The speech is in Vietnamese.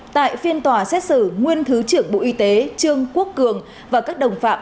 tại phiên tòa xét xử nguyên thứ trưởng bộ y tế trương quốc cường và các đồng phạm